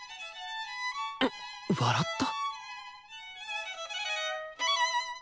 笑った？